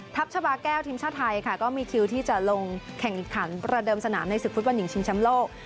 ชาบาแก้วทีมชาติไทยค่ะก็มีคิวที่จะลงแข่งขันประเดิมสนามในศึกฟุตบอลหญิงชิงแชมป์โลก